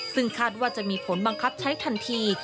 ซึ่งคาดว่าจะมีผลบังคับใช้ทันที